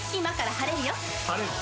晴れる？